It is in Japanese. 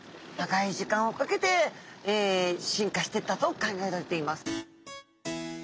長い時間をかけて進化していったと考えられています。